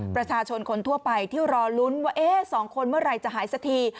ประชาชนคนทั่วไปที่รอลุ้นว่า๒คนเมื่อไหร่จะหายสักที